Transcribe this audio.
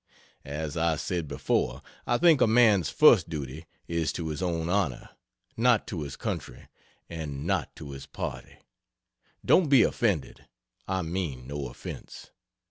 As I said before, I think a man's first duty is to his own honor; not to his country and not to his party. Don't be offended; I mean no offence.